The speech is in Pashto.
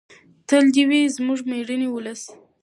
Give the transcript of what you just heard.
تل دې وي زموږ مېړنی ولس.